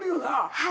はい。